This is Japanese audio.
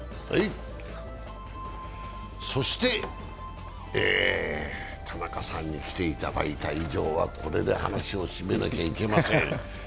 そして、田中さんに来ていただいた以上はこれで話を締めなきゃいけません。